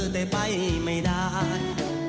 แต่ไปไม่ได้